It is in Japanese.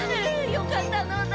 よかったのだ！